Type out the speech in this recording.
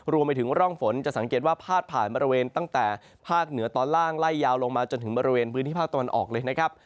รวมไปถึงร่องฝนจะสังเกตว่าพาดผ่านบริเวณตั้งแต่ภาคเหนือตอนล่างไล่ยาวลงมาจนถึงบริเวณพื้นที่ภาคตะวันออกเลยนะครับ